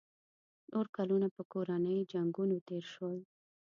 نور کلونه په کورنیو جنګونو تېر شول.